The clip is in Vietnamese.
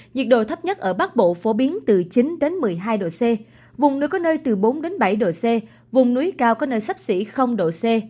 nhiệt độ thấp nhất ở bắc bộ phổ biến từ chín một mươi hai độ c vùng núi có nơi từ bốn bảy độ c vùng núi cao có nơi sắp xỉ độ c